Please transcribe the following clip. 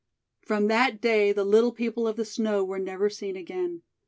From that day the Little People of the Snow were never seen again.